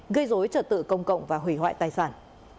gây dối trật tự công cộng và hủy hoại tài sản